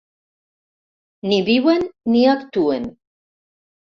Ni viuen ni actuen.